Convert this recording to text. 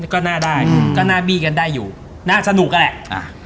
ก็น่าได้ก็น่าบีกันได้อยู่น่าสนุกก็แหละ